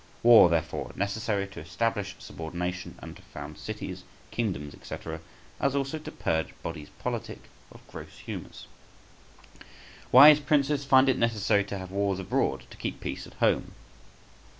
War, therefore, necessary to establish subordination, and to found cities, kingdoms, &c., as also to purge bodies politic of gross humours. Wise princes find it necessary to have wars abroad to keep peace at home.